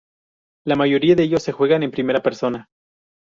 La mayoría de ellos se juegan en primera persona.